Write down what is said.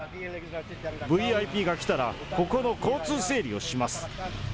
ＶＩＰが来たら、ここの交通整理をします。